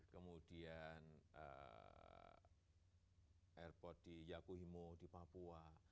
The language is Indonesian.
kemudian airport di yakuhimo di papua